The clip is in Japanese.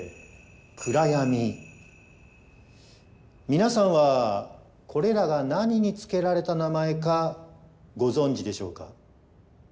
皆さんはこれらが何に付けられた名前かご存じでしょうか。